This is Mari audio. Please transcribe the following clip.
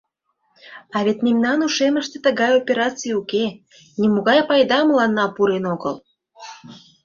А вет мемнан ушемыште тыгай операций уке, нимогай пайда мыланна пурен огыл.